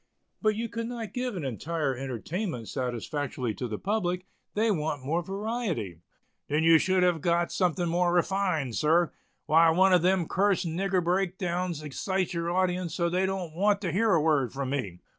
"But you could not give an entire entertainment satisfactorily to the public; they want more variety." "Then you should have got something more refined, sir. Why, one of those cursed nigger break downs excites your audience so they don't want to hear a word from me.